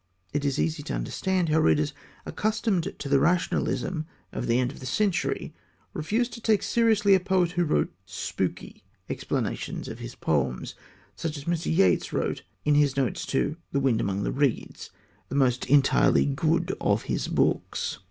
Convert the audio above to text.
It is easy to understand how readers accustomed to the rationalism of the end of the century refused to take seriously a poet who wrote "spooky" explanations of his poems, such as Mr. Yeats wrote in his notes to The Wind Among the Reeds, the most entirely good of his books.